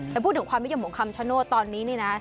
แล้วพูดถึงความวิทยาลงของคำชาโน่ตอนนี้เนี่ยนะ